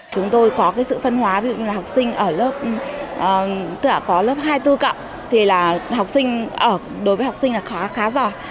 chúng tôi có sự phân hóa ví dụ như là học sinh có lớp hai bốn cộng thì đối với học sinh khá giỏi